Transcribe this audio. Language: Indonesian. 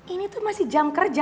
ini tuh masih jam kerja